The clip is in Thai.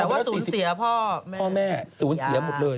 แต่ว่าศูนย์เสียพ่อแม่พ่อแม่ศูนย์เสียหมดเลย